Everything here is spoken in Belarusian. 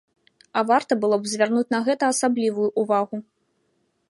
А варта было б звярнуць на гэта асаблівую ўвагу.